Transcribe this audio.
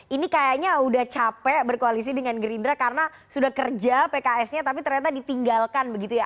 ini kayaknya udah capek berkoalisi dengan gerindra karena sudah kerja pks nya tapi ternyata ditinggalkan begitu ya